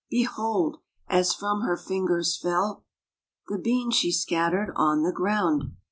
Behold ! as from her fingers fell The beans she scattered on the ground.